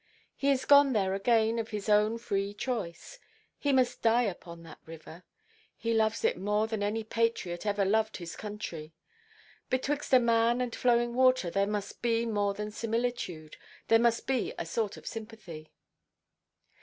He is gone there again of his own free choice. He must die upon that river. He loves it more than any patriot ever loved his country. Betwixt a man and flowing water there must be more than similitude, there must be a sort of sympathy."